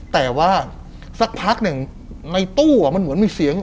แต่ว่าสักพักหนึ่งในตู้มันเหมือนมีเสียง